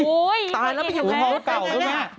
อุ๊ยตายแล้วไม่ถึงพอเวลาเก่าแล้วค่ะ